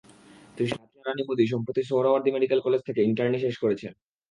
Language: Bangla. তৃষ্ণা রানী মোদি সম্প্রতি সোহরাওয়ার্দী মেডিকেল কলেজ থেকে ইন্টার্নি শেষ করেছেন।